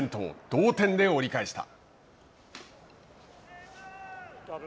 同点で折り返した。